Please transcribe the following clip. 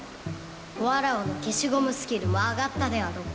わらわの消しゴムスキルも上がったであろう。